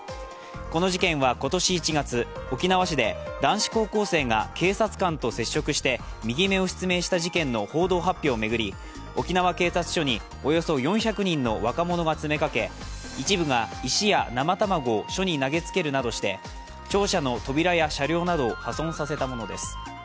この事件は今年１月、沖縄市で男子高校生が警察官と接触して右目を失明した事件の報道発表を巡り、沖縄警察署におよそ４００人の若者が詰めかけ、一部が石や生卵を署に投げつけるなどして庁舎の扉や車両などを破損させたものです。